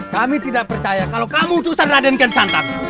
kami tidak percaya kalau kamu utusan raden kiyong santang